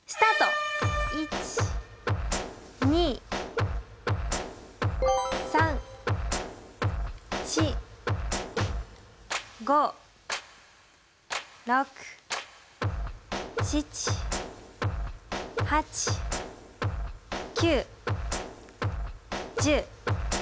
１２３４５６７８９１０１１。